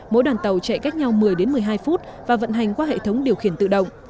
mỗi đoàn tàu chạy cách nhau một mươi đến một mươi hai phút và vận hành qua hệ thống điều khiển tự động